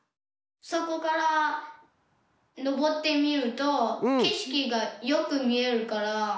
そこからのぼってみるとけしきがよくみえるから。